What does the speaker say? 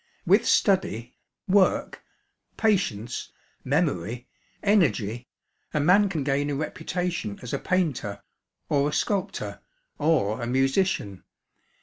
With study, work, patience, memory, energy, a man can gain a reputation as a painter, or a sculptor, or a musician.